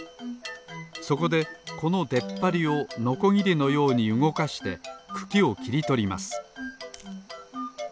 そこでこのでっぱりをのこぎりのようにうごかしてくきをきりとります